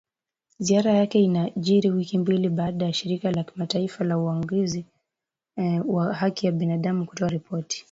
Ziara yake inajiri wiki mbili baada ya Shirika la kimataifa la uangalizi wa Haki za Binadamu kutoa ripoti.